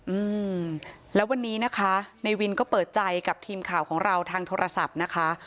อืมแล้ววันนี้นะคะในวินก็เปิดใจกับทีมข่าวของเราทางโทรศัพท์นะคะ